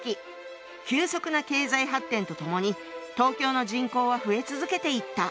急速な経済発展とともに東京の人口は増え続けていった。